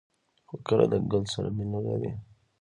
خو که د گل سره مینه لرئ